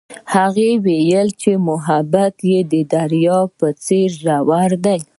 هغې وویل محبت یې د دریا په څېر ژور دی.